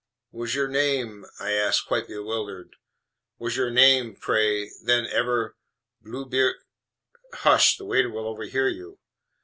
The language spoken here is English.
"Was your name," I asked, quite bewildered, "was your name, pray, then, ever Blueb ?" "Hush! the waiter will overhear you.